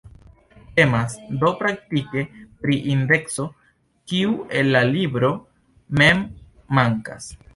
Temas do praktike pri indekso, kiu en la libro mem mankas.